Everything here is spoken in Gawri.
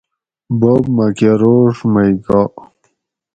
بوب مکہ روڛ مئ گا